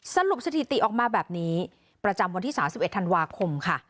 สถิติออกมาแบบนี้ประจำวันที่๓๑ธันวาคมค่ะ